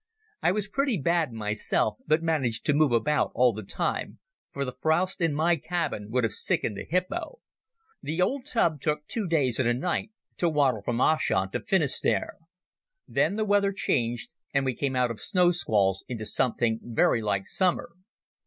I was pretty bad myself, but managed to move about all the time, for the frowst in my cabin would have sickened a hippo. The old tub took two days and a night to waddle from Ushant to Finisterre. Then the weather changed and we came out of snow squalls into something very like summer.